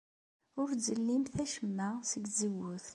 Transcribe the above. Ur ttzellimt acemma seg tzewwut.